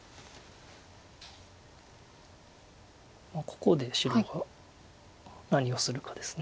ここで白が何をするかです。